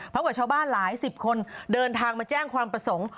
กับชาวบ้านหลายสิบคนเดินทางมาแจ้งความประสงค์